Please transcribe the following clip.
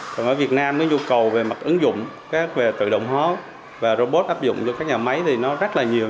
còn ở việt nam cái nhu cầu về mặt ứng dụng các về tự động hóa và robot áp dụng cho các nhà máy thì nó rất là nhiều